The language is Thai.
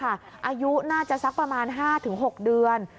อายุน่าจะสักประมาณ๕๖เดือน